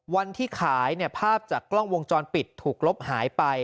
วันที่ขายภาพจากกล้องวงจรปิดถูกลบหายไป